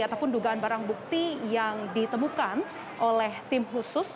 ataupun dugaan barang bukti yang ditemukan oleh tim khusus